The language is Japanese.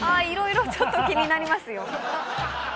いろいろちょっと気になりますよ。